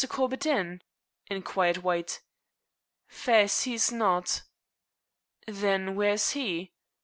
Corbett in?" inquired White. "Faix, he's not." "Then where is he?"